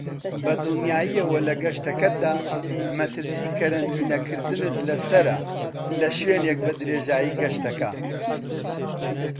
بەدڵنیاییەوە لە گەشتەکەتدا مەترسی کەرەنتینە کردنت لەسەرە لەشوێنێک بەدرێژایی گەشتەکە.